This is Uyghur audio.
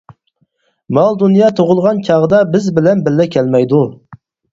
مال-دۇنيا تۇغۇلغان چاغدا بىز بىلەن بىللە كەلمەيدۇ.